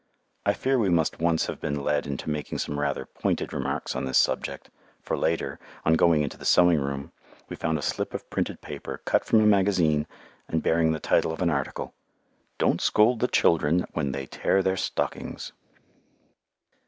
I fear we must once have been led into making some rather pointed remarks on this subject, for later, on going into the sewing room, we found a slip of printed paper, cut from a magazine, and bearing the title of an article: "DON'T SCOLD THE CHILDREN WHEN THEY TEAR THEIR STOCKINGS."